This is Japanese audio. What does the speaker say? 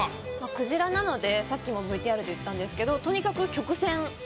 クジラなのでさっきもＶＴＲで言ったんですけど。